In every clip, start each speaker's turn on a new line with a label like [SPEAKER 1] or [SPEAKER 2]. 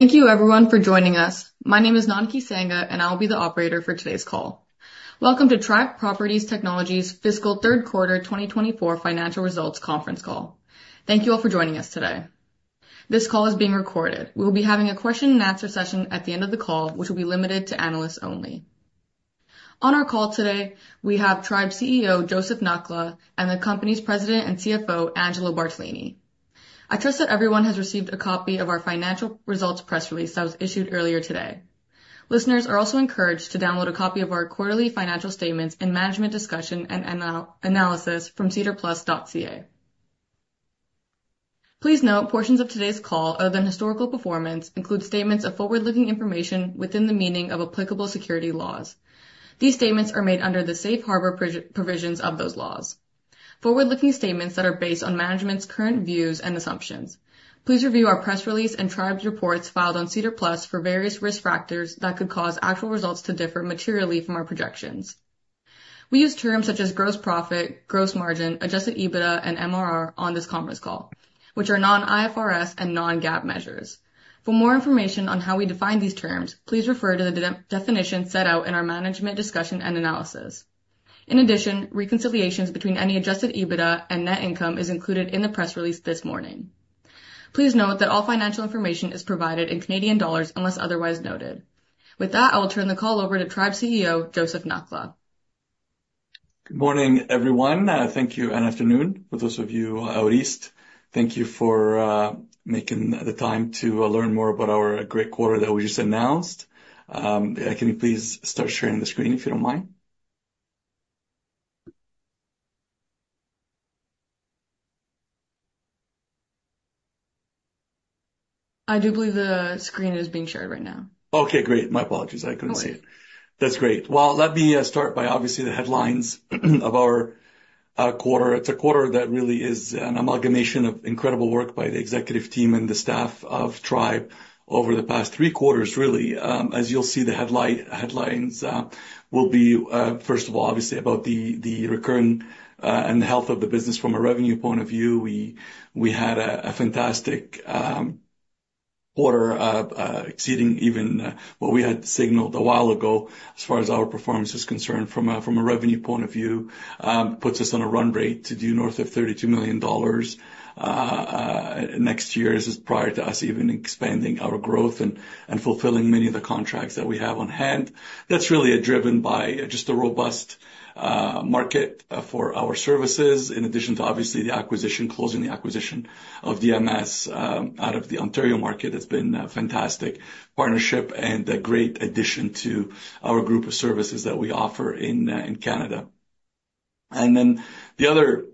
[SPEAKER 1] Thank you, everyone, for joining us. My name is Nanki Singh, and I'll be the operator for today's call. Welcome to Tribe Property Technologies' Fiscal Third Quarter 2024 Financial Results Conference Call. Thank you all for joining us today. This call is being recorded. We will be having a question-and-answer session at the end of the call, which will be limited to analysts only. On our call today, we have Tribe CEO Joseph Nakhla and the company's President and CFO, Angelo Bartolini. I trust that everyone has received a copy of our financial results press release that was issued earlier today. Listeners are also encouraged to download a copy of our quarterly financial statements and management discussion and analysis from sedarplus.ca. Please note portions of today's call, other than historical performance, include statements of forward-looking information within the meaning of applicable securities laws. These statements are made under the safe harbor provisions of those laws. Forward-looking statements that are based on management's current views and assumptions. Please review our press release and Tribe's reports filed on SEDAR+ for various risk factors that could cause actual results to differ materially from our projections. We use terms such as gross profit, gross margin, Adjusted EBITDA, and MRR on this conference call, which are non-IFRS and non-GAAP measures. For more information on how we define these terms, please refer to the definition set out in our management discussion and analysis. In addition, reconciliations between any Adjusted EBITDA and net income are included in the press release this morning. Please note that all financial information is provided in Canadian dollars unless otherwise noted. With that, I will turn the call over to Tribe CEO Joseph Nakhla.
[SPEAKER 2] Good morning, everyone. Thank you, and afternoon for those of you out east. Thank you for making the time to learn more about our great quarter that we just announced. Can you please start sharing the screen if you don't mind?
[SPEAKER 1] I do believe the screen is being shared right now.
[SPEAKER 2] Okay, great. My apologies. I couldn't see it. That's great. Well, let me start by, obviously, the headlines of our quarter. It's a quarter that really is an amalgamation of incredible work by the executive team and the staff of Tribe over the past three quarters, really. As you'll see, the headlines will be, first of all, obviously, about the recurring and the health of the business from a revenue point of view. We had a fantastic quarter exceeding even what we had signaled a while ago as far as our performance is concerned from a revenue point of view. It puts us on a run rate to do north of 32 million dollars next year prior to us even expanding our growth and fulfilling many of the contracts that we have on hand. That's really driven by just a robust market for our services, in addition to, obviously, the acquisition, closing the acquisition of DMSI out of the Ontario market. It's been a fantastic partnership and a great addition to our group of services that we offer in Canada. And then the other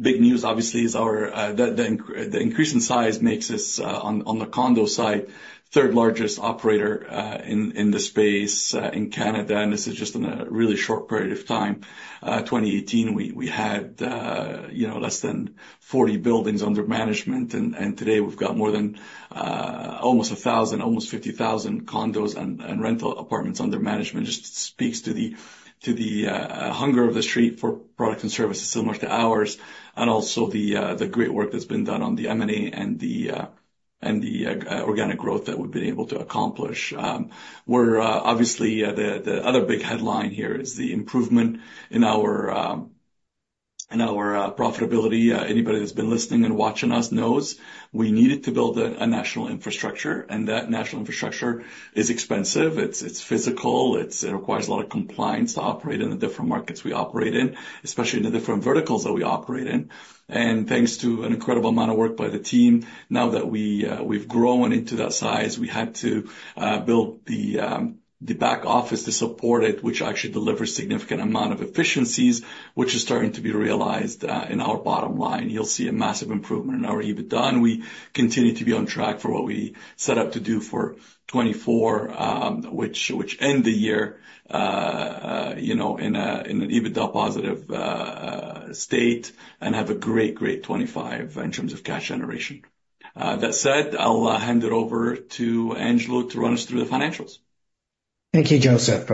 [SPEAKER 2] big news, obviously, is the increase in size makes us, on the condo side, the third largest operator in the space in Canada. And this is just in a really short period of time. In 2018, we had less than 40 buildings under management. And today, we've got more than almost 1,000, almost 50,000 condos and rental apartments under management. It just speaks to the hunger of the street for products and services similar to ours, and also the great work that's been done on the M&A and the organic growth that we've been able to accomplish. Obviously, the other big headline here is the improvement in our profitability. Anybody that's been listening and watching us knows we needed to build a national infrastructure. And that national infrastructure is expensive. It's physical. It requires a lot of compliance to operate in the different markets we operate in, especially in the different verticals that we operate in. And thanks to an incredible amount of work by the team, now that we've grown into that size, we had to build the back office to support it, which actually delivers a significant amount of efficiencies, which is starting to be realized in our bottom line. You'll see a massive improvement in our EBITDA. And we continue to be on track for what we set out to do for 2024, which ends the year in an EBITDA-positive state and have a great, great 2025 in terms of cash generation. That said, I'll hand it over to Angelo to run us through the financials.
[SPEAKER 3] Thank you, Joseph.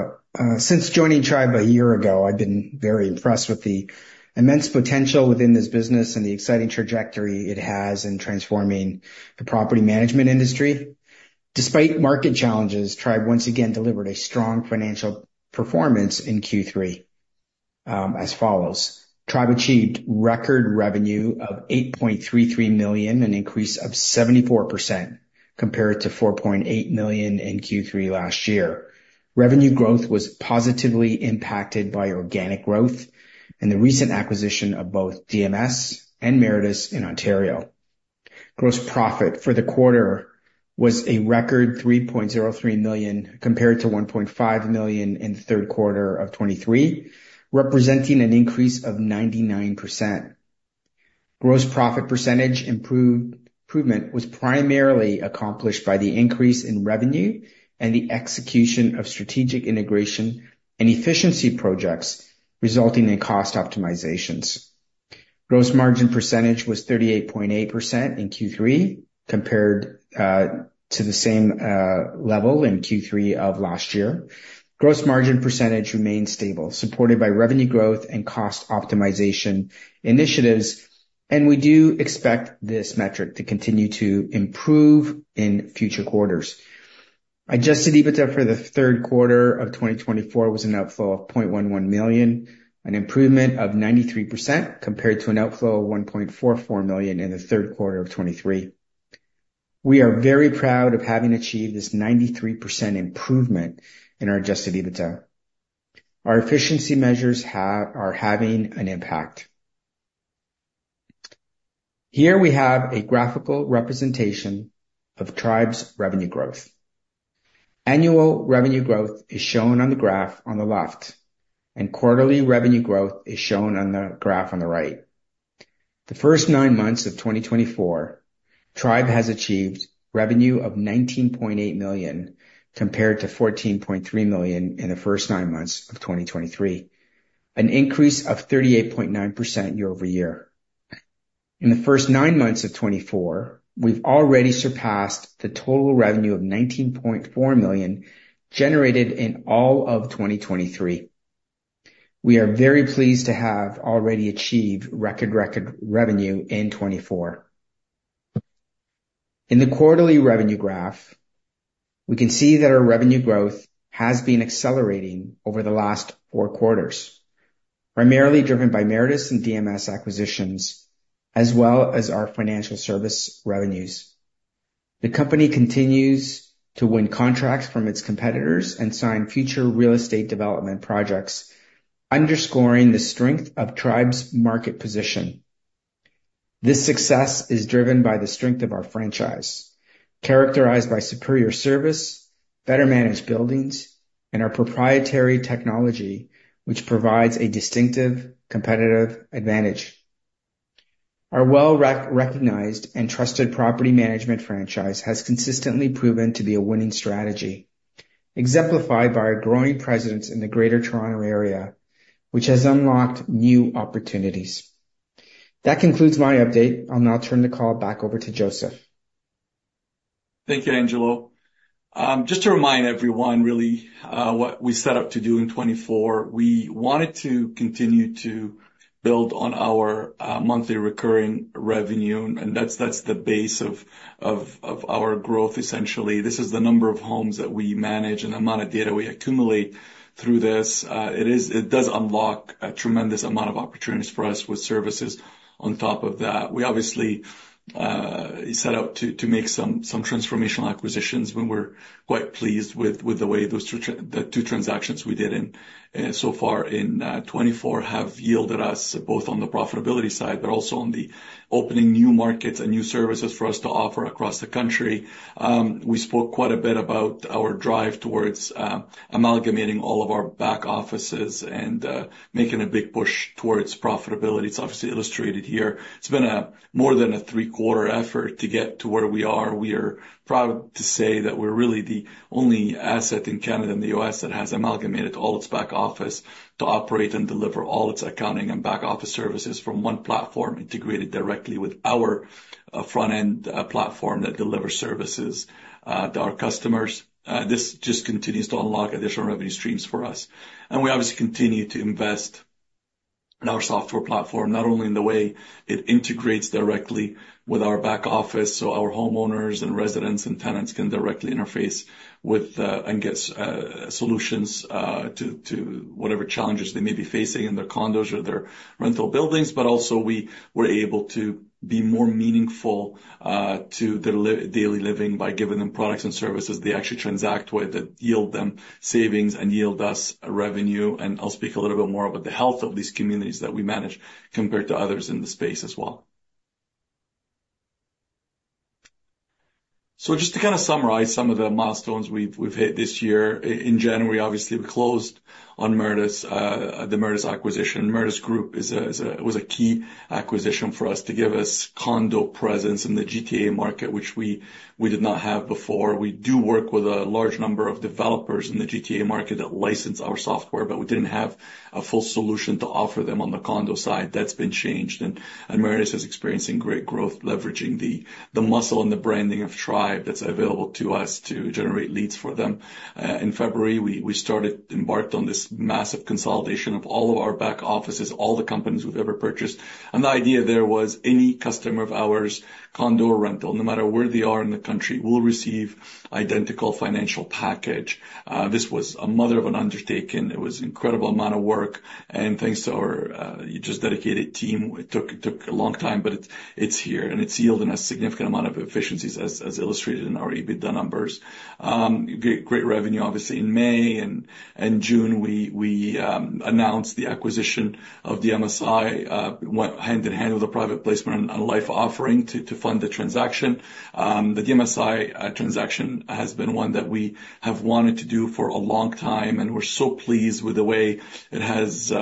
[SPEAKER 3] Since joining Tribe a year ago, I've been very impressed with the immense potential within this business and the exciting trajectory it has in transforming the property management industry. Despite market challenges, Tribe once again delivered a strong financial performance in Q3 as follows. Tribe achieved record revenue of 8.33 million, an increase of 74% compared to 4.8 million in Q3 last year. Revenue growth was positively impacted by organic growth and the recent acquisition of both DMSI and Meritus in Ontario. Gross profit for the quarter was a record 3.03 million compared to 1.5 million in the third quarter of 2023, representing an increase of 99%. Gross profit percentage improvement was primarily accomplished by the increase in revenue and the execution of strategic integration and efficiency projects resulting in cost optimizations. Gross margin percentage was 38.8% in Q3 compared to the same level in Q3 of last year. Gross margin percentage remained stable, supported by revenue growth and cost optimization initiatives, and we do expect this metric to continue to improve in future quarters. Adjusted EBITDA for the third quarter of 2024 was an outflow of 0.11 million, an improvement of 93% compared to an outflow of 1.44 million in the third quarter of 2023. We are very proud of having achieved this 93% improvement in our adjusted EBITDA. Our efficiency measures are having an impact. Here we have a graphical representation of Tribe's revenue growth. Annual revenue growth is shown on the graph on the left, and quarterly revenue growth is shown on the graph on the right. The first nine months of 2024, Tribe has achieved revenue of 19.8 million compared to 14.3 million in the first nine months of 2023, an increase of 38.9% year over year. In the first nine months of 2024, we've already surpassed the total revenue of CAD 19.4 million generated in all of 2023. We are very pleased to have already achieved record revenue in 2024. In the quarterly revenue graph, we can see that our revenue growth has been accelerating over the last four quarters, primarily driven by Meritus and DMSI acquisitions, as well as our financial service revenues. The company continues to win contracts from its competitors and sign future real estate development projects, underscoring the strength of Tribe's market position. This success is driven by the strength of our franchise, characterized by superior service, better-managed buildings, and our proprietary technology, which provides a distinctive competitive advantage. Our well-recognized and trusted property management franchise has consistently proven to be a winning strategy, exemplified by our growing presence in the Greater Toronto Area, which has unlocked new opportunities. That concludes my update. I'll now turn the call back over to Joseph.
[SPEAKER 2] Thank you, Angelo. Just to remind everyone, really, what we set out to do in 2024, we wanted to continue to build on our monthly recurring revenue, and that's the base of our growth, essentially. This is the number of homes that we manage and the amount of data we accumulate through this. It does unlock a tremendous amount of opportunities for us with services on top of that. We obviously set out to make some transformational acquisitions, but we're quite pleased with the way the two transactions we did so far in 2024 have yielded us both on the profitability side, but also on the opening new markets and new services for us to offer across the country. We spoke quite a bit about our drive towards amalgamating all of our back offices and making a big push towards profitability. It's obviously illustrated here. It's been more than a three-quarter effort to get to where we are. We are proud to say that we're really the only asset in Canada and the U.S. that has amalgamated all its back office to operate and deliver all its accounting and back office services from one platform integrated directly with our front-end platform that delivers services to our customers. This just continues to unlock additional revenue streams for us, and we obviously continue to invest in our software platform, not only in the way it integrates directly with our back office, so our homeowners and residents and tenants can directly interface with and get solutions to whatever challenges they may be facing in their condos or their rental buildings. But also, we were able to be more meaningful to their daily living by giving them products and services they actually transact with that yield them savings and yield us revenue. And I'll speak a little bit more about the health of these communities that we manage compared to others in the space as well. So just to kind of summarize some of the milestones we've hit this year, in January, obviously, we closed on the Meritus acquisition. Meritus Group was a key acquisition for us to give us condo presence in the GTA market, which we did not have before. We do work with a large number of developers in the GTA market that license our software, but we didn't have a full solution to offer them on the condo side. That's been changed. Meritus is experiencing great growth, leveraging the muscle and the branding of Tribe that's available to us to generate leads for them. In February, we embarked on this massive consolidation of all of our back offices, all the companies we've ever purchased. The idea there was any customer of ours, condo or rental, no matter where they are in the country, will receive an identical financial package. This was a mother of an undertaking. It was an incredible amount of work. Thanks to our just dedicated team, it took a long time, but it's here. It's yielding a significant amount of efficiencies, as illustrated in our EBITDA numbers. Great revenue, obviously. In May and June, we announced the acquisition of DMSI, hand in hand with a private placement and LIFE offering to fund the transaction. The DMSI transaction has been one that we have wanted to do for a long time, and we're so pleased with the way it has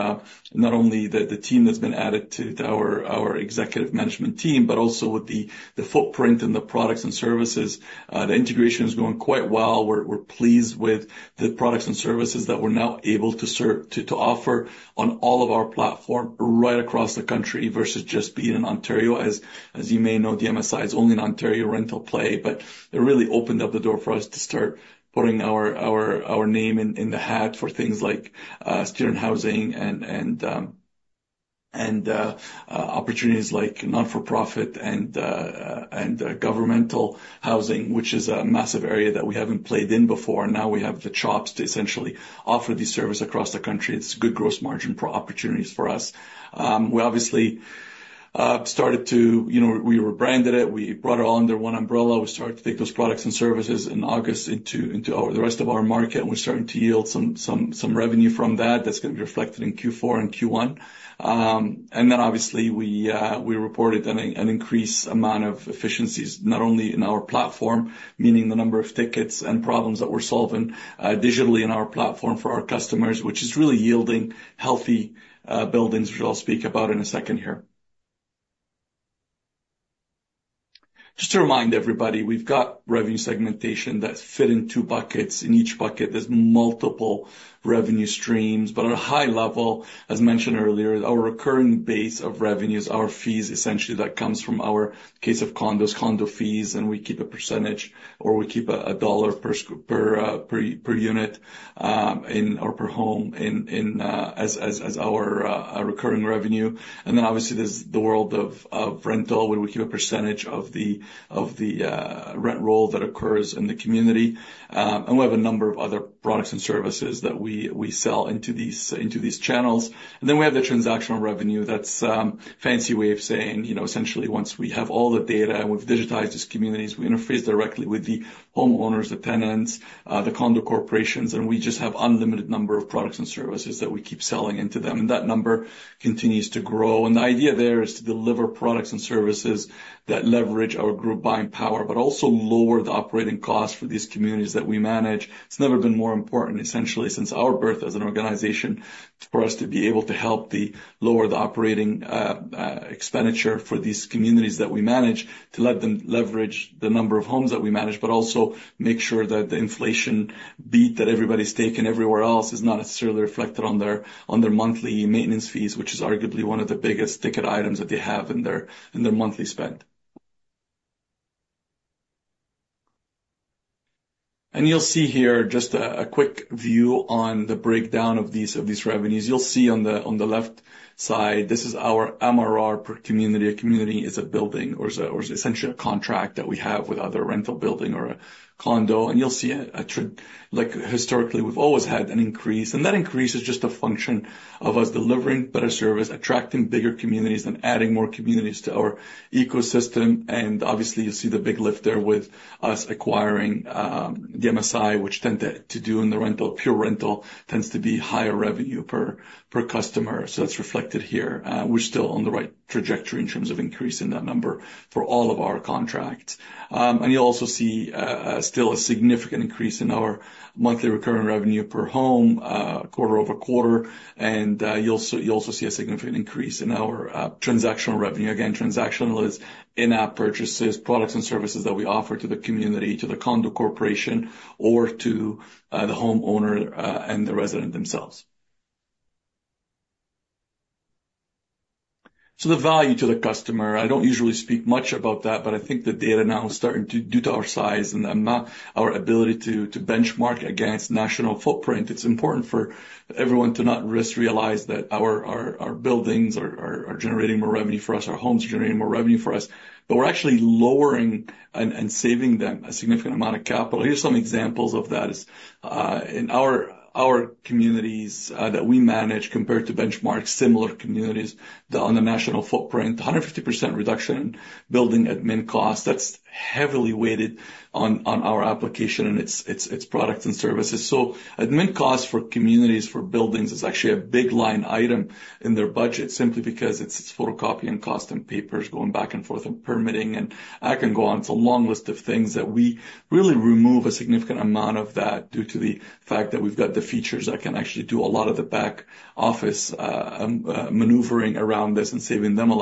[SPEAKER 2] not only the team that's been added to our executive management team, but also with the footprint and the products and services. The integration is going quite well. We're pleased with the products and services that we're now able to offer on all of our platform right across the country versus just being in Ontario. As you may know, DMSI is only an Ontario rental play, but it really opened up the door for us to start putting our name in the hat for things like student housing and opportunities like not-for-profit and governmental housing, which is a massive area that we haven't played in before. Now we have the chops to essentially offer these services across the country. It's a good gross margin for opportunities for us. We obviously started to, we rebranded it. We brought it all under one umbrella. We started to take those products and services in August into the rest of our market. And we're starting to yield some revenue from that. That's going to be reflected in Q4 and Q1. And then, obviously, we reported an increased amount of efficiencies, not only in our platform, meaning the number of tickets and problems that we're solving digitally in our platform for our customers, which is really yielding healthy buildings, which I'll speak about in a second here. Just to remind everybody, we've got revenue segmentation that's fit in two buckets. In each bucket, there's multiple revenue streams. But at a high level, as mentioned earlier, our recurring base of revenue is our fees, essentially, that come from our base of condos, condo fees. And we keep a percentage, or we keep a dollar per unit or per home as our recurring revenue. And then, obviously, there's the world of rental, where we keep a percentage of the rent roll that occurs in the community. And we have a number of other products and services that we sell into these channels. And then we have the transactional revenue. That's a fancy way of saying, essentially, once we have all the data and we've digitized these communities, we interface directly with the homeowners, the tenants, the condo corporations, and we just have an unlimited number of products and services that we keep selling into them. And that number continues to grow. And the idea there is to deliver products and services that leverage our group buying power, but also lower the operating costs for these communities that we manage. It's never been more important, essentially, since our birth as an organization, for us to be able to help lower the operating expenditure for these communities that we manage, to let them leverage the number of homes that we manage, but also make sure that the inflation beat that everybody's taken everywhere else is not necessarily reflected on their monthly maintenance fees, which is arguably one of the biggest ticket items that they have in their monthly spend, and you'll see here just a quick view on the breakdown of these revenues. You'll see on the left side, this is our MRR per community. A community is a building, or it's essentially a contract that we have with either a rental building or a condo, and you'll see historically, we've always had an increase. And that increase is just a function of us delivering better service, attracting bigger communities, and adding more communities to our ecosystem. And obviously, you'll see the big lift there with us acquiring DMSI, which tends to do in the rental, pure rental, tends to be higher revenue per customer. So that's reflected here. We're still on the right trajectory in terms of increasing that number for all of our contracts. And you'll also see still a significant increase in our monthly recurring revenue per home, quarter over quarter. And you'll also see a significant increase in our transactional revenue. Again, transactional is in-app purchases, products and services that we offer to the community, to the condo corporation, or to the homeowner and the resident themselves. So the value to the customer, I don't usually speak much about that, but I think the data now is starting to due to our size and our ability to benchmark against national footprint. It's important for everyone to not just realize that our buildings are generating more revenue for us, our homes are generating more revenue for us, but we're actually lowering and saving them a significant amount of capital. Here's some examples of that. In our communities that we manage compared to benchmark similar communities on the national footprint, 150% reduction in building admin costs. That's heavily weighted on our application and its products and services. So admin costs for communities, for buildings, is actually a big line item in their budget, simply because it's photocopying costs and papers going back and forth and permitting. I can go on to a long list of things that we really remove a significant amount of that due to the fact that we've got the features that can actually do a lot of the back office maneuvering around this and saving them a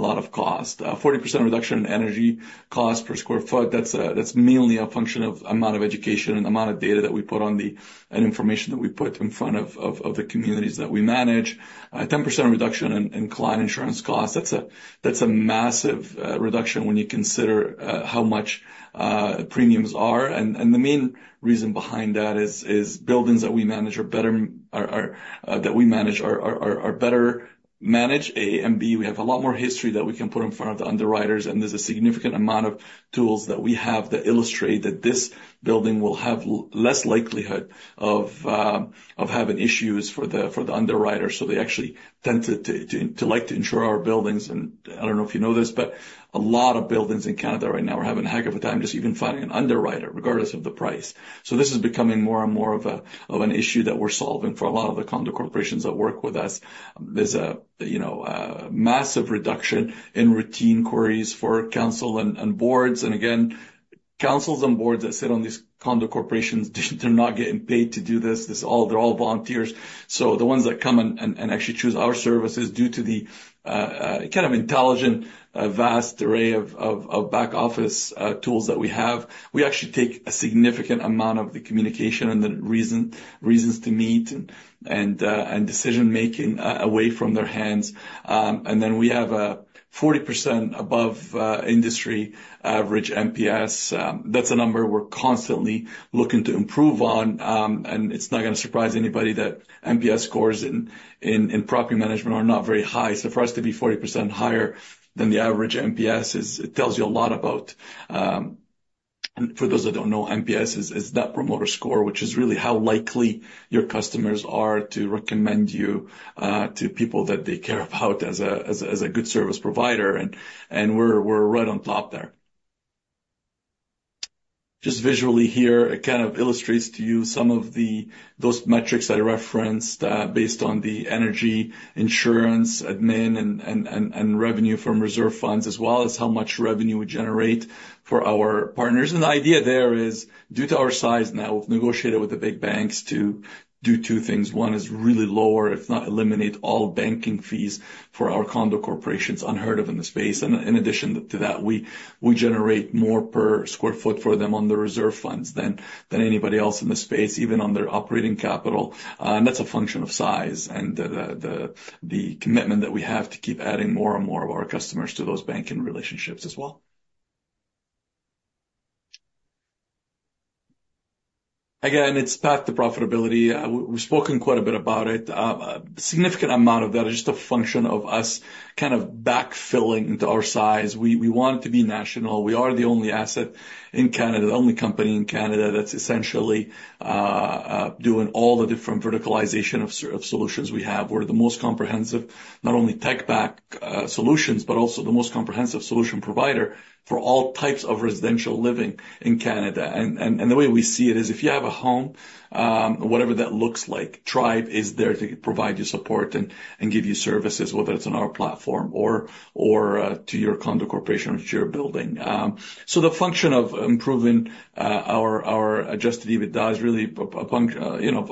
[SPEAKER 2] lot of cost. 40% reduction in energy costs per sq ft. That's mainly a function of the amount of education and the amount of data that we put on them and information that we put in front of the communities that we manage. 10% reduction in client insurance costs. That's a massive reduction when you consider how much premiums are. The main reason behind that is buildings that we manage are better managed. A and B, we have a lot more history that we can put in front of the underwriters. There's a significant amount of tools that we have that illustrate that this building will have less likelihood of having issues for the underwriter. So they actually tend to like to insure our buildings. And I don't know if you know this, but a lot of buildings in Canada right now are having a heck of a time just even finding an underwriter, regardless of the price. So this is becoming more and more of an issue that we're solving for a lot of the condo corporations that work with us. There's a massive reduction in routine queries for councils and boards. And again, councils and boards that sit on these condo corporations, they're not getting paid to do this. They're all volunteers. So the ones that come and actually choose our services due to the kind of intelligent, vast array of back office tools that we have, we actually take a significant amount of the communication and the reasons to meet and decision-making away from their hands. And then we have a 40% above industry average NPS. That's a number we're constantly looking to improve on. And it's not going to surprise anybody that NPS scores in property management are not very high. So for us to be 40% higher than the average NPS, it tells you a lot about, for those that don't know, NPS is Net Promoter Score, which is really how likely your customers are to recommend you to people that they care about as a good service provider. And we're right on top there. Just visually here, it kind of illustrates to you some of those metrics I referenced based on the energy, insurance, admin, and revenue from reserve funds, as well as how much revenue we generate for our partners. And the idea there is, due to our size now, we've negotiated with the big banks to do two things. One is really lower, if not eliminate, all banking fees for our condo corporations unheard of in the space. And in addition to that, we generate more per square foot for them on the reserve funds than anybody else in the space, even on their operating capital. And that's a function of size and the commitment that we have to keep adding more and more of our customers to those banking relationships as well. Again, it's path to profitability. We've spoken quite a bit about it. A significant amount of that is just a function of us kind of backfilling into our size. We want to be national. We are the only asset in Canada, the only company in Canada that's essentially doing all the different verticalization of solutions we have. We're the most comprehensive, not only tech-backed solutions, but also the most comprehensive solution provider for all types of residential living in Canada, and the way we see it is if you have a home, whatever that looks like, Tribe is there to provide you support and give you services, whether it's on our platform or to your condo corporation or to your building, so the function of improving our Adjusted EBITDA is really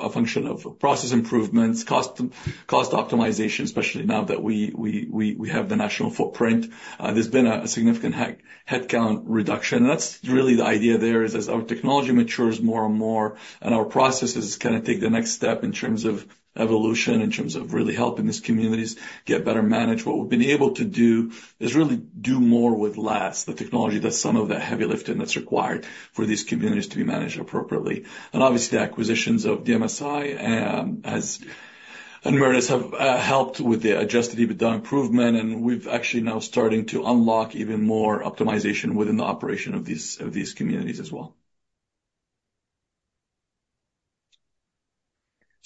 [SPEAKER 2] a function of process improvements, cost optimization, especially now that we have the national footprint. There's been a significant headcount reduction. And that's really the idea there is as our technology matures more and more and our processes kind of take the next step in terms of evolution, in terms of really helping these communities get better managed, what we've been able to do is really do more with less, the technology that's some of the heavy lifting that's required for these communities to be managed appropriately. And obviously, the acquisitions of DMSI and Meritus have helped with the Adjusted EBITDA improvement. And we've actually now starting to unlock even more optimization within the operation of these communities as well.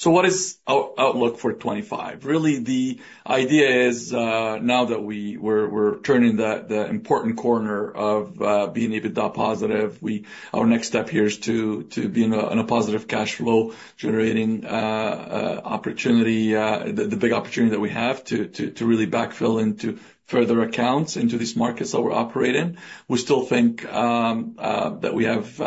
[SPEAKER 2] So what is our outlook for 2025? Really, the idea is now that we're turning the important corner of being EBITDA positive. Our next step here is to be in a positive cash flow generating opportunity, the big opportunity that we have to really backfill into further accounts into these markets that we're operating. We still think that we have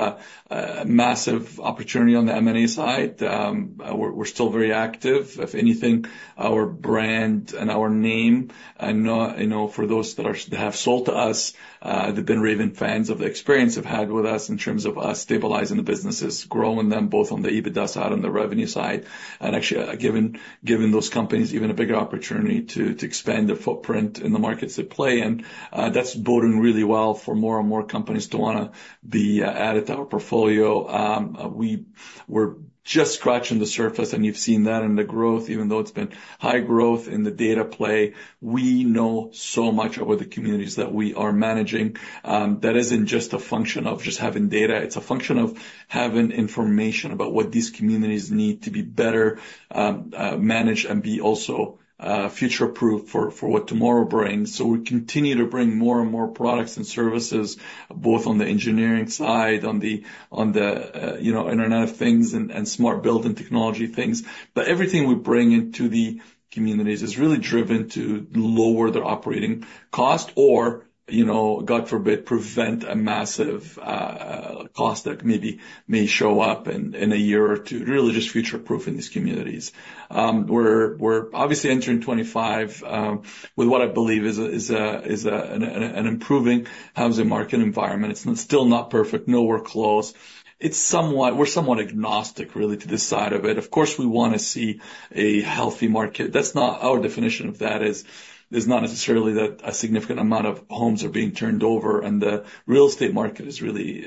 [SPEAKER 2] a massive opportunity on the M&A side. We're still very active. If anything, our brand and our name, and for those that have sold to us, the been raving fans of the experience they've had with us in terms of us stabilizing the businesses, growing them both on the EBITDA side and the revenue side, and actually giving those companies even a bigger opportunity to expand their footprint in the markets they play, that's boding really well for more and more companies to want to be added to our portfolio. We're just scratching the surface, and you've seen that in the growth, even though it's been high growth in the data play. We know so much about the communities that we are managing. That isn't just a function of just having data. It's a function of having information about what these communities need to be better managed and be also future-proof for what tomorrow brings. So we continue to bring more and more products and services, both on the engineering side, on the Internet of Things and smart building technology things. But everything we bring into the communities is really driven to lower their operating cost or, God forbid, prevent a massive cost that maybe may show up in a year or two, really just future-proofing these communities. We're obviously entering 2025 with what I believe is an improving housing market environment. It's still not perfect. No, we're close. We're somewhat agnostic, really, to this side of it. Of course, we want to see a healthy market. That's not our definition of that. It's not necessarily that a significant amount of homes are being turned over and the real estate market is really,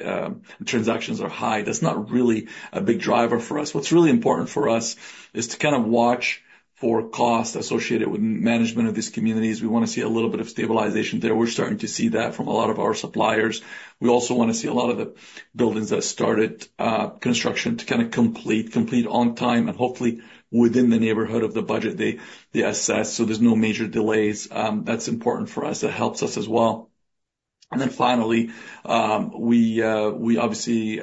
[SPEAKER 2] transactions are high. That's not really a big driver for us. What's really important for us is to kind of watch for costs associated with management of these communities. We want to see a little bit of stabilization there. We're starting to see that from a lot of our suppliers. We also want to see a lot of the buildings that started construction to kind of complete on time and hopefully within the neighborhood of the budget they assess so there's no major delays. That's important for us. That helps us as well. And then finally, we obviously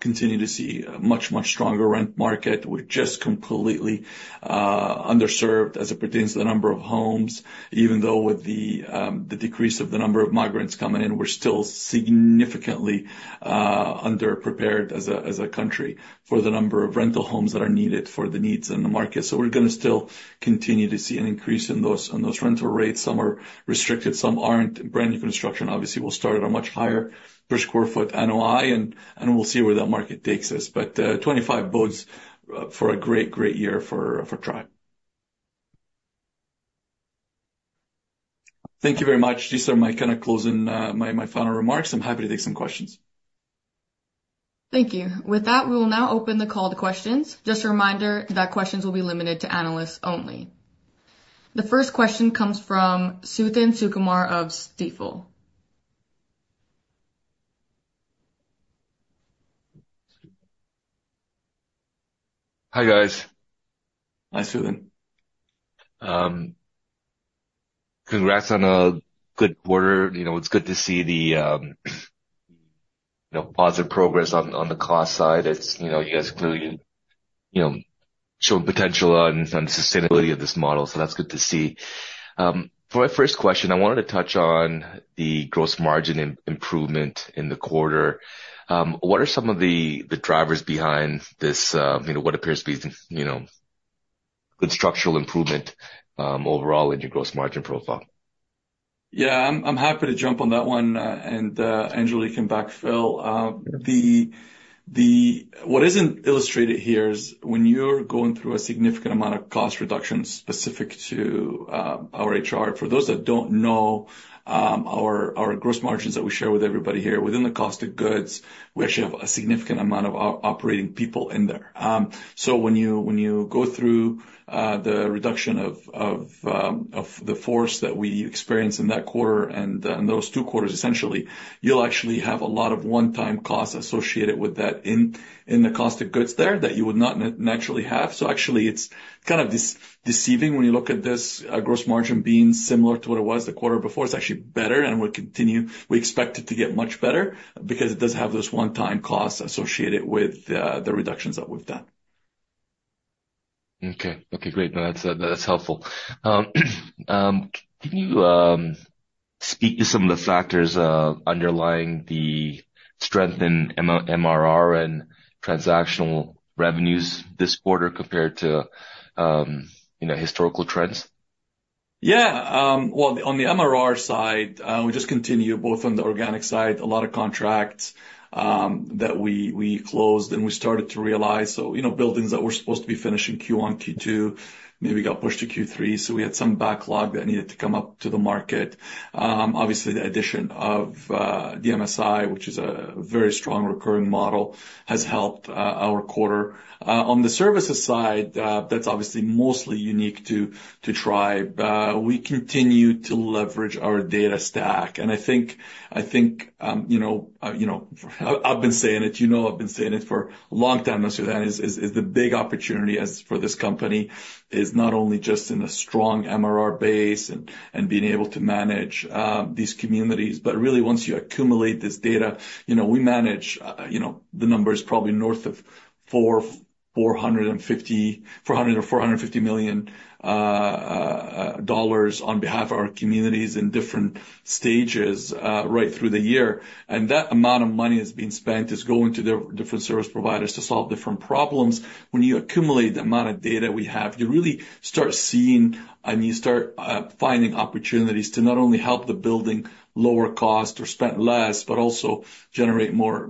[SPEAKER 2] continue to see a much, much stronger rent market. We're just completely underserved as it pertains to the number of homes. Even though with the decrease of the number of migrants coming in, we're still significantly underprepared as a country for the number of rental homes that are needed for the needs in the market. So we're going to still continue to see an increase in those rental rates. Some are restricted, some aren't. Brand new construction, obviously, will start at a much higher per square foot NOI, and we'll see where that market takes us. But 2025 bodes for a great, great year for Tribe. Thank you very much. These are my kind of closing my final remarks. I'm happy to take some questions.
[SPEAKER 1] Thank you. With that, we will now open the call to questions. Just a reminder that questions will be limited to analysts only. The first question comes from Suthan Sukumar of Stifel.
[SPEAKER 4] Hi, guys.
[SPEAKER 2] Hi, Suthan.
[SPEAKER 4] Congrats on a good quarter. It's good to see the positive progress on the cost side. You guys are clearly showing potential on the sustainability of this model. So that's good to see. For our first question, I wanted to touch on the gross margin improvement in the quarter. What are some of the drivers behind what appears to be good structural improvement overall in your gross margin profile?
[SPEAKER 2] Yeah, I'm happy to jump on that one and, Angelo, you can backfill. What isn't illustrated here is when you're going through a significant amount of cost reductions specific to our HR. For those that don't know, our gross margins that we share with everybody here within the cost of goods, we actually have a significant amount of operating people in there. So when you go through the reduction of the force that we experienced in that quarter and those two quarters, essentially, you'll actually have a lot of one-time costs associated with that in the cost of goods there that you would not naturally have. So actually, it's kind of deceiving when you look at this gross margin being similar to what it was the quarter before. It's actually better, and we expect it to get much better because it does have those one-time costs associated with the reductions that we've done.
[SPEAKER 4] Okay. Okay, great. That's helpful. Can you speak to some of the factors underlying the strength in MRR and transactional revenues this quarter compared to historical trends?
[SPEAKER 2] Yeah. On the MRR side, we just continued both on the organic side, a lot of contracts that we closed and we started to realize, so buildings that were supposed to be finished in Q1, Q2, maybe got pushed to Q3, so we had some backlog that needed to come up to the market. Obviously, the addition of DMSI, which is a very strong recurring model, has helped our quarter. On the services side, that's obviously mostly unique to Tribe. We continue to leverage our data stack, and I think I've been saying it. You know I've been saying it for a long time. That's what that is, is the big opportunity for this company is not only just in a strong MRR base and being able to manage these communities, but really, once you accumulate this data, we manage the numbers probably north of 400 million or 450 million dollars on behalf of our communities in different stages right through the year. And that amount of money that's being spent is going to different service providers to solve different problems. When you accumulate the amount of data we have, you really start seeing and you start finding opportunities to not only help the building lower cost or spend less, but also generate more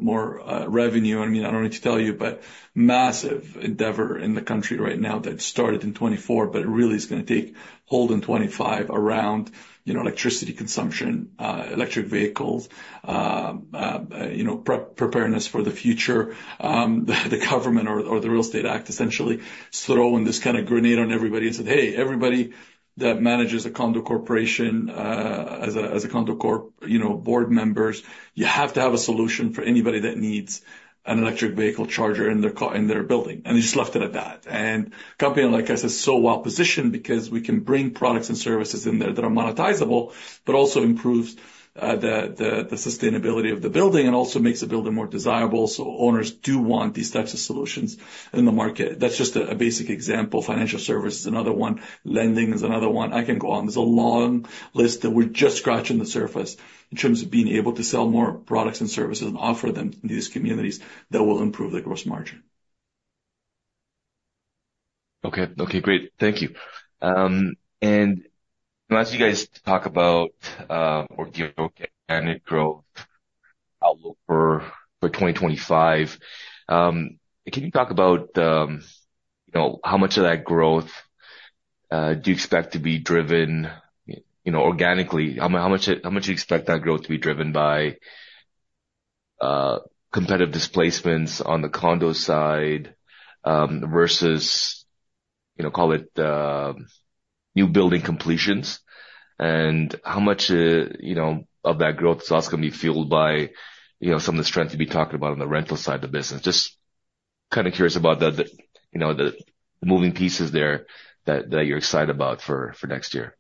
[SPEAKER 2] revenue. I mean, I don't need to tell you, but massive endeavor in the country right now that started in 2024, but it really is going to take hold in 2025 around electricity consumption, electric vehicles, preparedness for the future. The government or the real estate act essentially throwing this kind of grenade on everybody and said, "Hey, everybody that manages a condo corporation as a condo board members, you have to have a solution for anybody that needs an electric vehicle charger in their building." And they just left it at that. And a company like us is so well positioned because we can bring products and services in there that are monetizable, but also improves the sustainability of the building and also makes the building more desirable. So owners do want these types of solutions in the market. That's just a basic example. Financial services is another one. Lending is another one. I can go on. There's a long list that we're just scratching the surface in terms of being able to sell more products and services and offer them to these communities that will improve the gross margin.
[SPEAKER 4] Okay. Okay, great. Thank you. And as you guys talk about organic growth outlook for 2025, can you talk about how much of that growth do you expect to be driven organically? How much do you expect that growth to be driven by competitive displacements on the condo side versus, call it, new building completions? And how much of that growth is also going to be fueled by some of the strength you've been talking about on the rental side of the business? Just kind of curious about the moving pieces there that you're excited about for next year.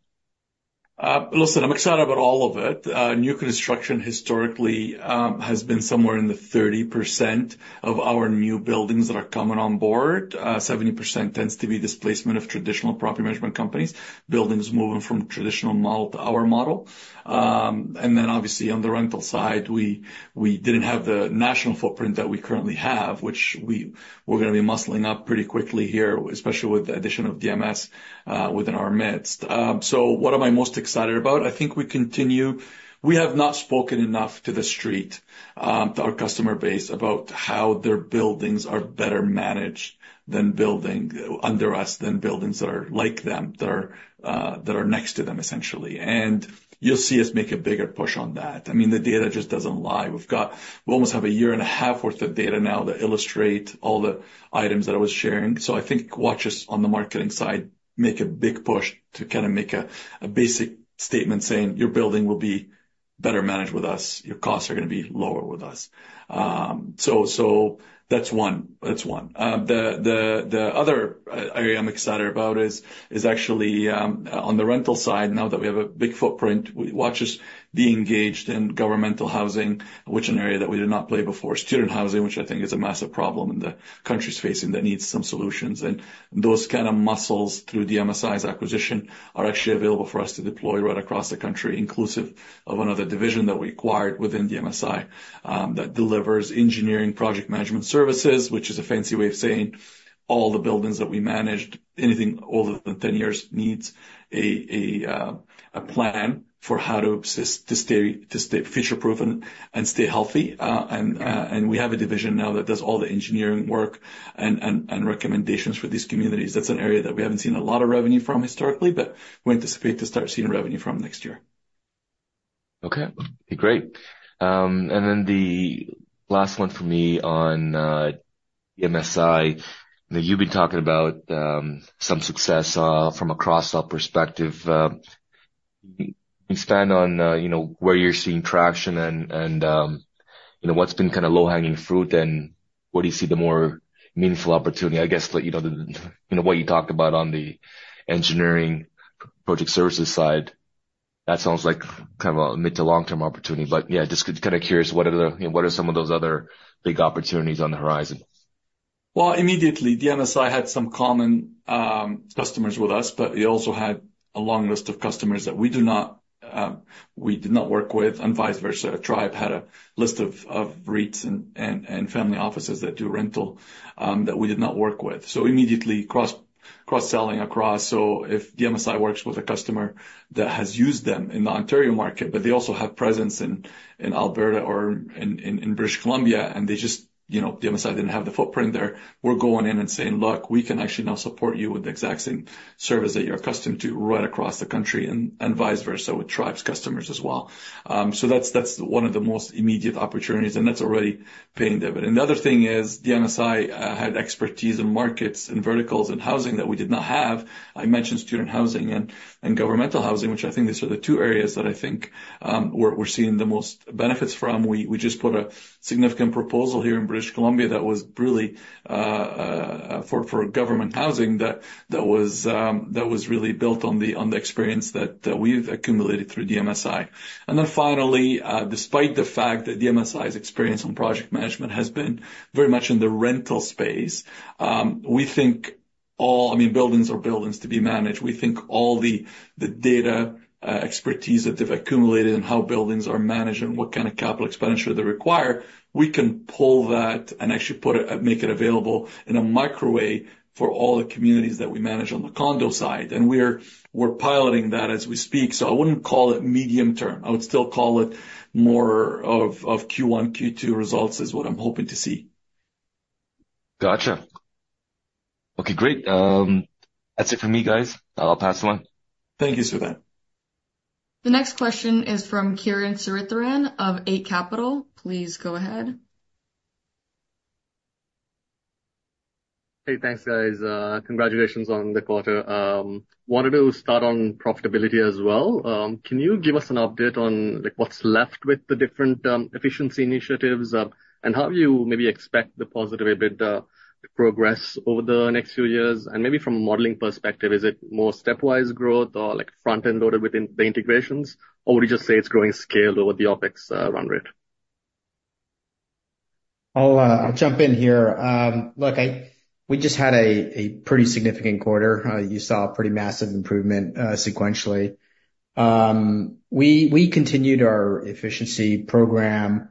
[SPEAKER 2] Listen, I'm excited about all of it. New construction historically has been somewhere in the 30% of our new buildings that are coming on board. 70% tends to be displacement of traditional property management companies, buildings moving from traditional model to our model. And then, obviously, on the rental side, we didn't have the national footprint that we currently have, which we're going to be muscling up pretty quickly here, especially with the addition of DMSI within our midst. So what am I most excited about? I think we continue to have not spoken enough to the street, to our customer base, about how their buildings are better managed than buildings under us than buildings that are like them, that are next to them, essentially. And you'll see us make a bigger push on that. I mean, the data just doesn't lie. We almost have a year and a half worth of data now that illustrate all the items that I was sharing. So I think watch us on the marketing side make a big push to kind of make a basic statement saying, "Your building will be better managed with us. Your costs are going to be lower with us." So that's one. That's one. The other area I'm excited about is actually on the rental side, now that we have a big footprint, watch us be engaged in governmental housing, which is an area that we did not play before. Student housing, which I think is a massive problem the country is facing that needs some solutions. Those kind of muscles through DMSI's acquisition are actually available for us to deploy right across the country, inclusive of another division that we acquired within DMSI that delivers engineering project management services, which is a fancy way of saying all the buildings that we managed, anything older than 10 years needs a plan for how to stay future-proof and stay healthy. We have a division now that does all the engineering work and recommendations for these communities. That's an area that we haven't seen a lot of revenue from historically, but we anticipate to start seeing revenue from next year.
[SPEAKER 4] Okay. Okay, great. Then the last one for me on DMSI, you've been talking about some success from a cross-sell perspective. Expand on where you're seeing traction and what's been kind of low-hanging fruit and where do you see the more meaningful opportunity? I guess what you talked about on the engineering project services side, that sounds like kind of a mid to long-term opportunity. But yeah, just kind of curious, what are some of those other big opportunities on the horizon?
[SPEAKER 2] Well, immediately, DMSI had some common customers with us, but they also had a long list of customers that we did not work with and vice versa. Tribe had a list of REITs and family offices that do rental that we did not work with. So immediately, cross-selling across. So if DMSI works with a customer that has used them in the Ontario market, but they also have presence in Alberta or in British Columbia, and DMSI didn't have the footprint there, we're going in and saying, "Look, we can actually now support you with the exact same service that you're accustomed to right across the country and vice versa with Tribe's customers as well." So that's one of the most immediate opportunities, and that's already paying dividend. And the other thing is DMSI had expertise in markets and verticals and housing that we did not have. I mentioned student housing and governmental housing, which I think these are the two areas that I think we're seeing the most benefits from. We just put a significant proposal here in British Columbia that was really for government housing that was really built on the experience that we've accumulated through DMSI. And then finally, despite the fact that DMSI's experience on project management has been very much in the rental space, we think all, I mean, buildings are buildings to be managed. We think all the data expertise that they've accumulated and how buildings are managed and what kind of capital expenditure they require, we can pull that and actually make it available in a micro way for all the communities that we manage on the condo side. And we're piloting that as we speak. So I wouldn't call it medium term. I would still call it more of Q1, Q2 results is what I'm hoping to see.
[SPEAKER 4] Gotcha. Okay, great. That's it for me, guys. I'll pass on.
[SPEAKER 2] Thank you, Suthan.
[SPEAKER 1] The next question is from Kiran Sritharan of Eight Capital. Please go ahead.
[SPEAKER 5] Hey, thanks, guys. Congratulations on the quarter. Wanted to start on profitability as well. Can you give us an update on what's left with the different efficiency initiatives and how you maybe expect the positive a bit to progress over the next few years? And maybe from a modeling perspective, is it more stepwise growth or front-end loaded within the integrations, or would you just say it's growing scaled over the OpEx run rate?
[SPEAKER 3] I'll jump in here. Look, we just had a pretty significant quarter. You saw a pretty massive improvement sequentially. We continued our efficiency program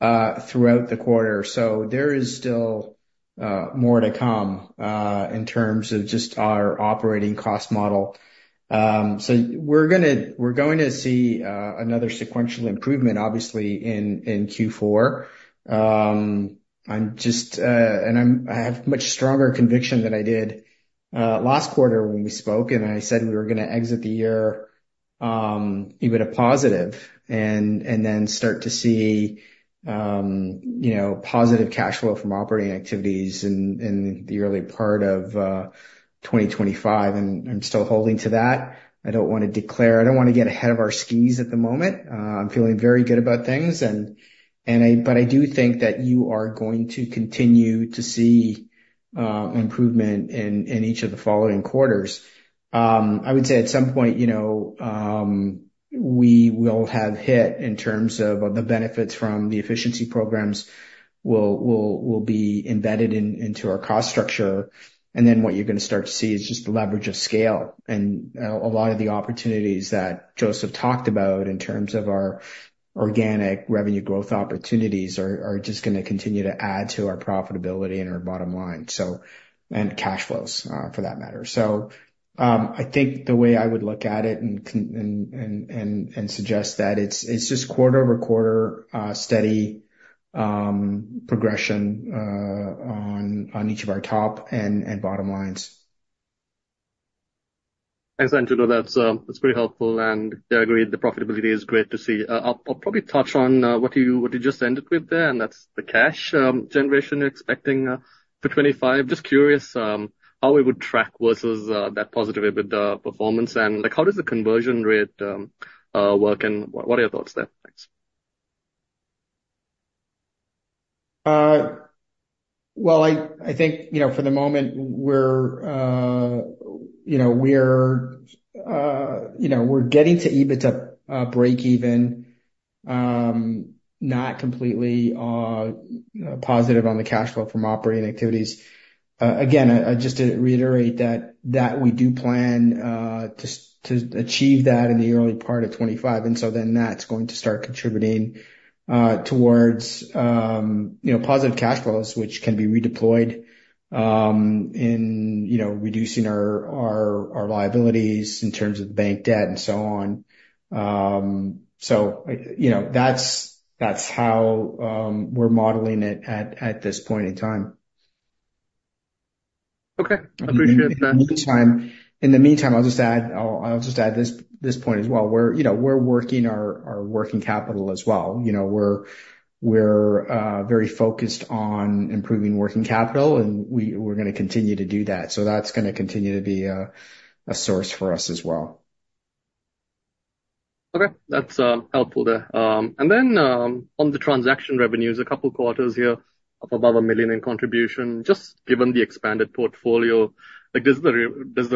[SPEAKER 3] throughout the quarter. So there is still more to come in terms of just our operating cost model. So we're going to see another sequential improvement, obviously, in Q4. I have much stronger conviction than I did last quarter when we spoke, and I said we were going to exit the year with a positive and then start to see positive cash flow from operating activities in the early part of 2025. I'm still holding to that. I don't want to declare. I don't want to get ahead of our skis at the moment. I'm feeling very good about things. I do think that you are going to continue to see improvement in each of the following quarters. I would say at some point, we will have hit in terms of the benefits from the efficiency programs will be embedded into our cost structure. Then what you're going to start to see is just the leverage of scale. A lot of the opportunities that Joseph talked about in terms of our organic revenue growth opportunities are just going to continue to add to our profitability and our bottom line and cash flows for that matter. So I think the way I would look at it and suggest that it's just quarter-over-quarter steady progression on each of our top and bottom lines.
[SPEAKER 5] Thanks, Angelo. That's pretty helpful. And yeah, I agree. The profitability is great to see. I'll probably touch on what you just ended with there, and that's the cash generation you're expecting for 2025. Just curious how it would track versus that positive EBITDA performance. And how does the conversion rate work? And what are your thoughts there? Thanks.
[SPEAKER 3] Well, I think for the moment, we're getting to EBITDA break-even, not completely positive on the cash flow from operating activities. Again, just to reiterate that we do plan to achieve that in the early part of 2025. And so then that's going to start contributing towards positive cash flows, which can be redeployed in reducing our liabilities in terms of bank debt and so on. So that's how we're modeling it at this point in time.
[SPEAKER 5] Okay. I appreciate that.
[SPEAKER 3] In the meantime, I'll just add this point as well. We're working our working capital as well. We're very focused on improving working capital, and we're going to continue to do that. So that's going to continue to be a source for us as well.
[SPEAKER 5] Okay. That's helpful there. And then on the transaction revenues, a couple of quarters here of above 1 million in contribution, just given the expanded portfolio, does the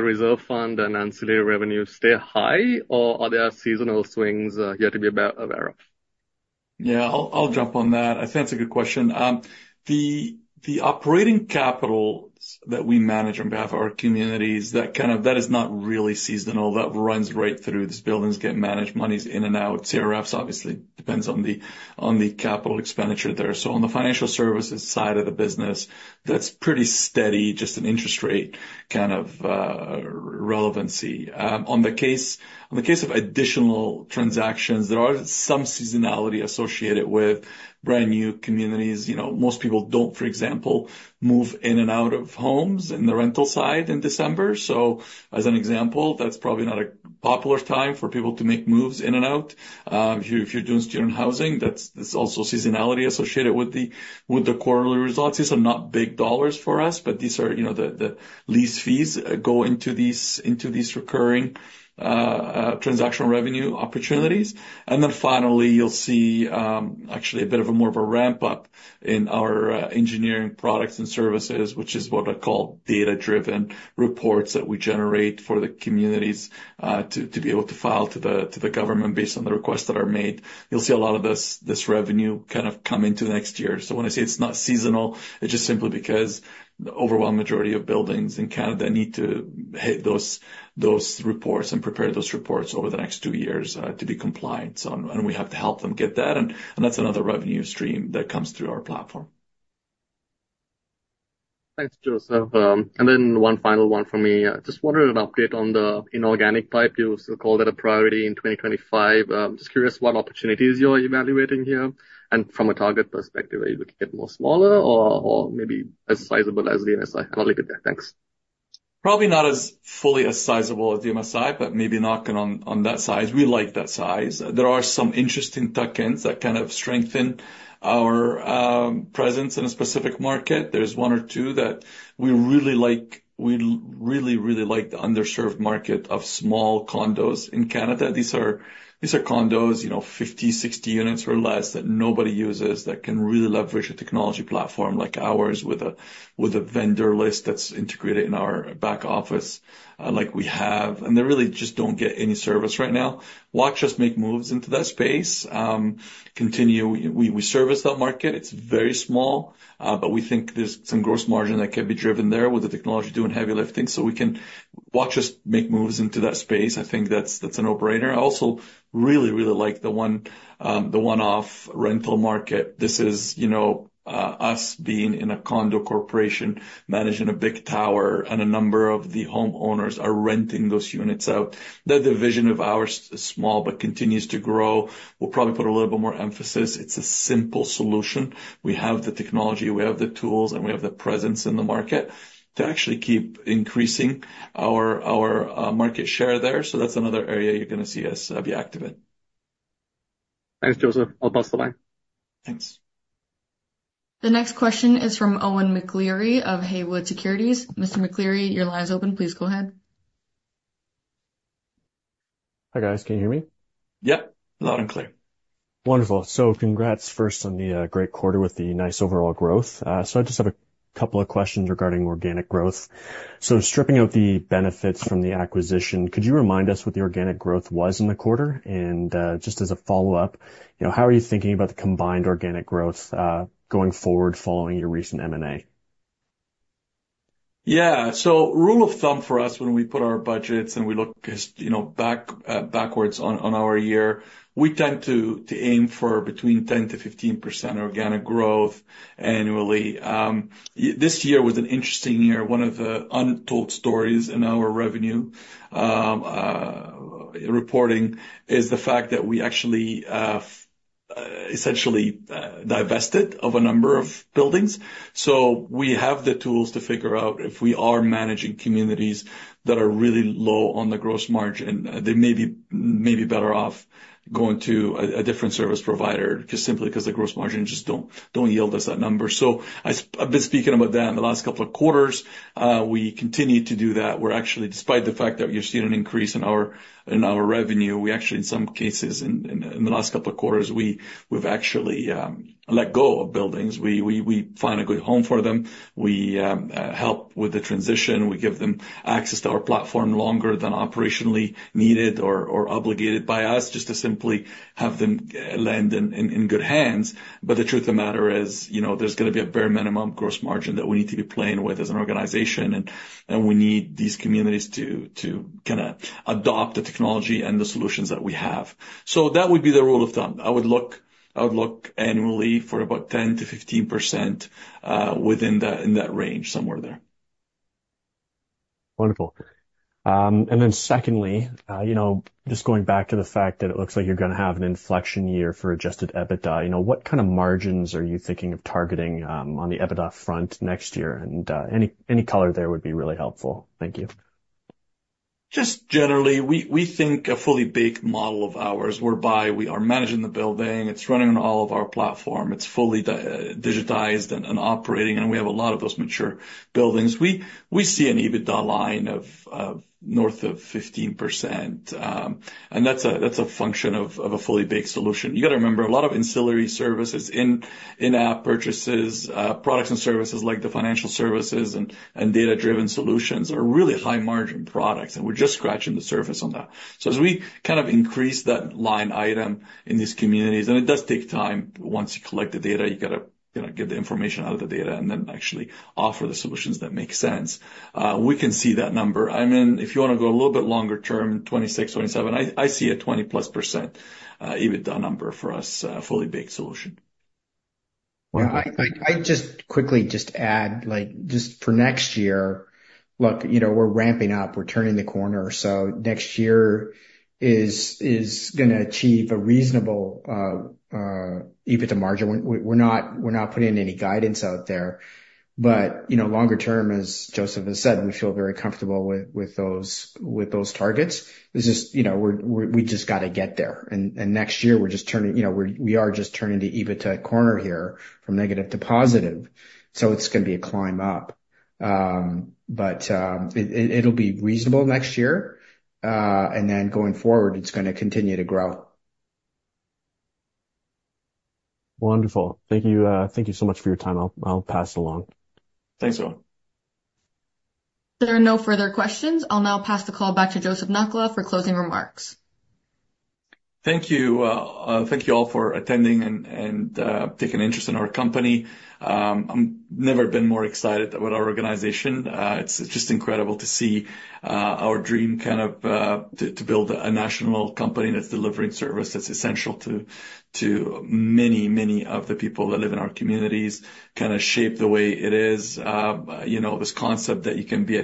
[SPEAKER 5] reserve fund and ancillary revenue stay high, or are there seasonal swings here to be aware of?
[SPEAKER 2] Yeah, I'll jump on that. I think that's a good question. The operating capital that we manage on behalf of our communities, that is not really seasonal. That runs right through. These buildings get managed monies in and out. CRFs, obviously, depends on the capital expenditure there. So on the financial services side of the business, that's pretty steady, just an interest rate kind of relevancy. On the case of additional transactions, there are some seasonality associated with brand new communities. Most people don't, for example, move in and out of homes in the rental side in December. So as an example, that's probably not a popular time for people to make moves in and out. If you're doing student housing, there's also seasonality associated with the quarterly results. These are not big dollars for us, but these are the lease fees go into these recurring transactional revenue opportunities. And then finally, you'll see actually a bit of a more of a ramp-up in our engineering products and services, which is what I call data-driven reports that we generate for the communities to be able to file to the government based on the requests that are made. You'll see a lot of this revenue kind of come into next year. So when I say it's not seasonal, it's just simply because the overwhelming majority of buildings in Canada need to hit those reports and prepare those reports over the next two years to be compliant. And we have to help them get that. And that's another revenue stream that comes through our platform.
[SPEAKER 5] Thanks, Joseph. And then one final one for me. Just wanted an update on the inorganic pipeline. You still call that a priority in 2025. Just curious what opportunities you're evaluating here. From a target perspective, are you looking at more smaller or maybe as sizable as DMSI? I'll leave it there. Thanks.
[SPEAKER 2] Probably not as fully as sizable as DMSI, but maybe knocking on that size. We like that size. There are some interesting targets that kind of strengthen our presence in a specific market. There's one or two that we really like. We really, really like the underserved market of small condos in Canada. These are condos, 50, 60 units or less that nobody uses that can really leverage a technology platform like ours with a vendor list that's integrated in our back office like we have. And they really just don't get any service right now. Watch us make moves into that space. Continue. We service that market. It's very small, but we think there's some gross margin that can be driven there with the technology doing heavy lifting. So watch us make moves into that space. I think that's an operator. I also really, really like the one-off rental market. This is us being in a condo corporation managing a big tower, and a number of the homeowners are renting those units out. The division of ours is small but continues to grow. We'll probably put a little bit more emphasis. It's a simple solution. We have the technology, we have the tools, and we have the presence in the market to actually keep increasing our market share there. So that's another area you're going to see us be active in.
[SPEAKER 5] Thanks, Joseph. I'll pass the line.
[SPEAKER 2] Thanks.
[SPEAKER 1] The next question is from Owen McCleery of Haywood Securities. Mr. McCleery, your line is open. Please go ahead.
[SPEAKER 6] Hi, guys. Can you hear me?
[SPEAKER 2] Yep. Loud and clear.
[SPEAKER 6] Wonderful. So congrats first on the great quarter with the nice overall growth. So I just have a couple of questions regarding organic growth. So stripping out the benefits from the acquisition, could you remind us what the organic growth was in the quarter? And just as a follow-up, how are you thinking about the combined organic growth going forward following your recent M&A?
[SPEAKER 2] Yeah. So rule of thumb for us, when we put our budgets and we look backwards on our year, we tend to aim for between 10%-15% organic growth annually. This year was an interesting year. One of the untold stories in our revenue reporting is the fact that we actually essentially divested of a number of buildings. So we have the tools to figure out if we are managing communities that are really low on the gross margin. They may be better off going to a different service provider simply because the gross margin just don't yield us that number. So I've been speaking about that in the last couple of quarters. We continue to do that. Despite the fact that you've seen an increase in our revenue, we actually, in some cases, in the last couple of quarters, we've actually let go of buildings. We find a good home for them. We help with the transition. We give them access to our platform longer than operationally needed or obligated by us just to simply have them land in good hands. But the truth of the matter is there's going to be a bare minimum gross margin that we need to be playing with as an organization. And we need these communities to kind of adopt the technology and the solutions that we have. So that would be the rule of thumb. I would look annually for about 10%-15% within that range, somewhere there.
[SPEAKER 6] Wonderful. And then secondly, just going back to the fact that it looks like you're going to have an inflection year for Adjusted EBITDA, what kind of margins are you thinking of targeting on the EBITDA front next year? And any color there would be really helpful. Thank you.
[SPEAKER 2] Just generally, we think a fully baked model of ours whereby we are managing the building. It's running on all of our platform. It's fully digitized and operating. And we have a lot of those mature buildings. We see an EBITDA line of north of 15%. And that's a function of a fully baked solution. You got to remember, a lot of ancillary services, in-app purchases, products and services like the financial services and data-driven solutions are really high-margin products. And we're just scratching the surface on that. So as we kind of increase that line item in these communities, and it does take time. Once you collect the data, you got to get the information out of the data and then actually offer the solutions that make sense. We can see that number. I mean, if you want to go a little bit longer term, 2026, 2027, I see a 20%+ EBITDA number for us, a fully baked solution.
[SPEAKER 3] Well, I just quickly just add, just for next year, look, we're ramping up. We're turning the corner. So next year is going to achieve a reasonable EBITDA margin. We're not putting any guidance out there. But longer term, as Joseph has said, we feel very comfortable with those targets. It's just we just got to get there. And next year, we're just turning the EBITDA corner here from negative to positive. So it's going to be a climb up. But it'll be reasonable next year. And then going forward, it's going to continue to grow.
[SPEAKER 6] Wonderful. Thank you so much for your time. I'll pass it along.
[SPEAKER 2] Thanks, Owen.
[SPEAKER 1] There are no further questions. I'll now pass the call back to Joseph Nakhla for closing remarks.
[SPEAKER 2] Thank you. Thank you all for attending and taking interest in our company. I've never been more excited about our organization. It's just incredible to see our dream kind of to build a national company that's delivering service that's essential to many, many of the people that live in our communities kind of shape the way it is. This concept that you can be a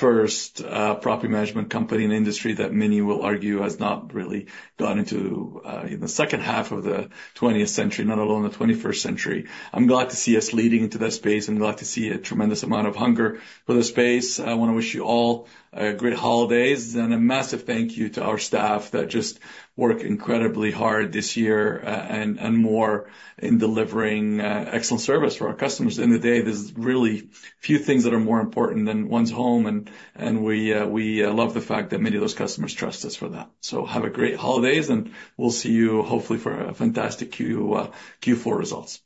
[SPEAKER 2] tech-first property management company in the industry that many will argue has not really gotten into the second half of the 20th century, let alone the 21st century. I'm glad to see us leading into that space. I'm glad to see a tremendous amount of hunger for the space. I want to wish you all great holidays and a massive thank you to our staff that just work incredibly hard this year and more in delivering excellent service for our customers in the day. There's really few things that are more important than one's home. And we love the fact that many of those customers trust us for that. So have a great holidays, and we'll see you hopefully for fantastic Q4 results.